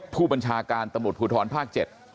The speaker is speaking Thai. ผู้บัญชาการตำรวจภูทรภาค๗